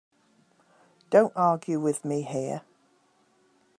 Don't argue with me here.